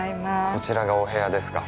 こちらがお部屋ですか。